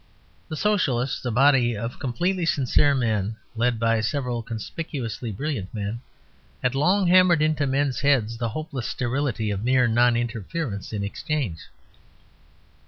The Socialists, a body of completely sincere men led by several conspicuously brilliant men, had long hammered into men's heads the hopeless sterility of mere non interference in exchange.